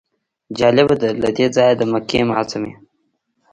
جالبه ده له دې ځایه د مکې معظمې.